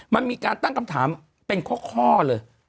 มันมีการตั้งคำถามเป็นข้อเลย